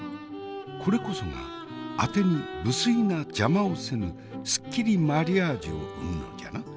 これこそがあてに不粋な邪魔をせぬすっきりマリアージュを生むのじゃな。